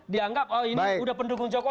dianggap oh ini udah pendukung jokowi